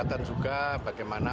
kesempatan juga bagaimana